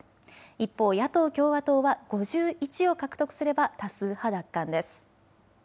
一方、野党・共和党は５１を獲得すれば多数派奪還です。